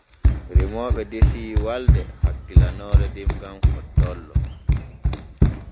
Remooɓe desi walde hakkilanoore demgal hottollo.